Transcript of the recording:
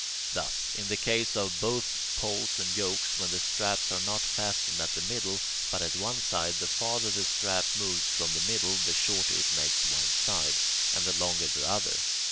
Thus, in the case of both poles and yokes, when the straps are not fastened at the middle, but at one side, the farther the strap moves from the middle, the shorter it makes one side, and the longer the other.